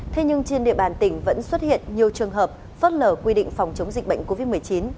thế nhưng trên địa bàn tỉnh vẫn xuất hiện nhiều trường hợp phớt lờ quy định phòng chống dịch bệnh covid một mươi chín